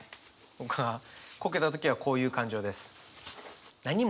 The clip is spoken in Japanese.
僕はこけた時はこういう感情です。